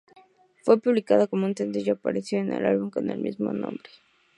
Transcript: Fue publicada como un sencillo y apareció en el álbum con el mismísimo nombre.